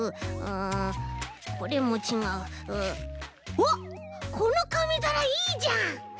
あっこのかみざらいいじゃん！ハハハ。